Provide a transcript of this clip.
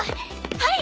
はい！